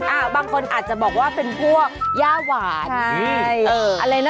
อ้าบางคนอาจจะบอกว่าเป็นพวกย่าหวาน